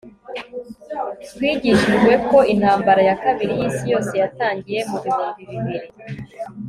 Twigishijwe ko Intambara ya Kabiri yIsi Yose yatangiye mu bihumbi bibiri